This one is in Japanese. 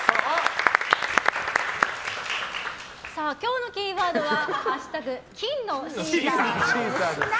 今日のキーワードは「＃金のシーサー」です。